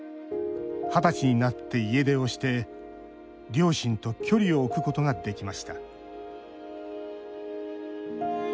二十歳になって家出をして両親と距離を置くことができました。